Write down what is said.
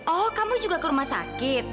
oh kamu juga ke rumah sakit